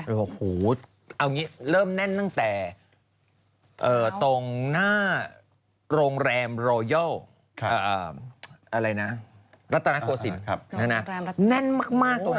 เอาอย่างนี้เริ่มแน่นนั้นแต่ตรงหน้าโรงแรมโรยาลอะไรนะรัตนโกสินแน่นมากตรงนั้น